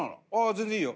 全然いいよ。